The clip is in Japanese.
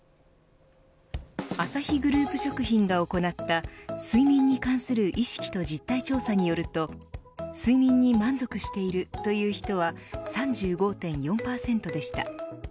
アサヒグループ食品が行った睡眠に関する意識と実態調査によると睡眠に満足しているという人は３５．４％でした。